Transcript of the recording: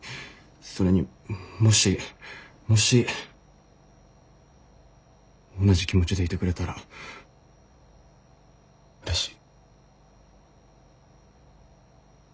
それにもしもし同じ気持ちでいてくれたらうれしい。